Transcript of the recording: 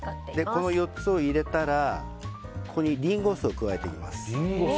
この４つを入れたらここにリンゴ酢を加えていきます。